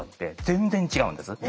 全然違うんですか。